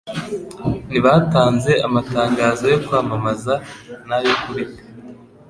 Ntibatanze amatangazo yo kwamamaza na yokubika